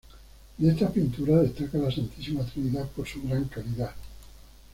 De estas pinturas destaca la santísima trinidad por su gran calidad.